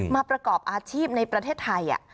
ประกอบอาชีพในประเทศไทย